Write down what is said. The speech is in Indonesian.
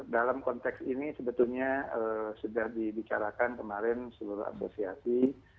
dalam konteks ini sebetulnya sudah dibicarakan kemarin seluruh asosiasi